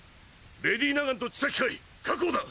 レディ・ナガンと治崎廻確保だ！